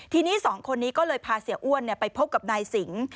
ทีนี้สองคนนี้ก็เลยพาเสียอ้วนไปพบกับนายสิง